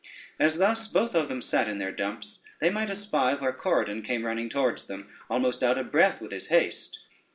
As thus both of them sate in their dumps, they might espy where Corydon came running towards them, almost out of breath with his haste.